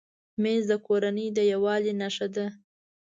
مېز د کورنۍ د یووالي نښه ده.